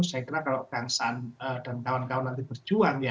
saya kira kalau kang saan dan kawan kawan nanti berjuang ya